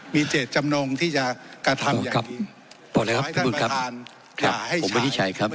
มีเจตจำนงที่จะกระทำอย่างงี้ครับครับผมไม่ได้ใช้ครับ